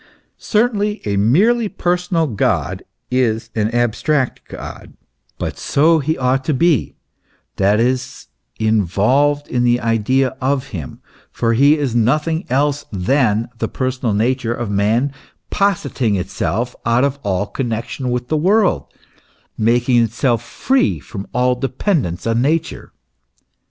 Certainly a merely personal God is an abstract God ; but so he ought to be that is involved in the idea of him ; for he is nothing else than the personal nature of man positing itself out of all connexion with the world, making itself free from all depend * F 98 THE ESSENCE OF CHRISTIANITY. ence on nature.